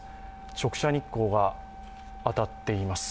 直射日光が当たっています。